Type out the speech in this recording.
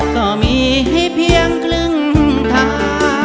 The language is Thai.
ก็มีให้เพียงครึ่งทาง